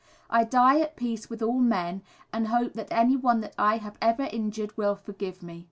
I die at peace with all men, and hope that anyone that I have ever injured will forgive me."